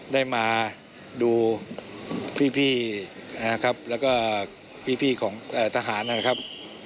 ได้มาดูพี่นะครับแล้วก็พี่ของทหารนะครับ